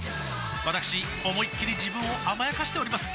わたくし思いっきり自分を甘やかしております